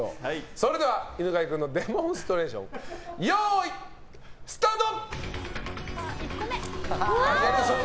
それでは犬飼君のデモンストレーションスタート。